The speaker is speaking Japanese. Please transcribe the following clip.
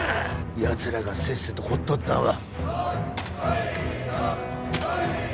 やつらがせっせと掘っとったんは。